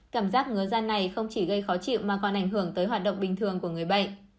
cảm giác ngứa da này không chỉ gây khó chịu mà còn ảnh hưởng tới hoạt động bình thường của người bệnh